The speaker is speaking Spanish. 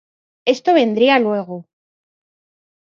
Esto vendría luego.